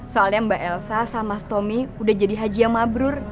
soalnya mbak elsa sama pak tommy sudah jadi haji yang mabrur